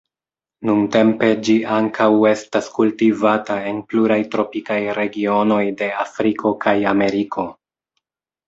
Nuntempe ĝi ankaŭ estas kultivata en pluraj tropikaj regionoj de Afriko kaj Ameriko.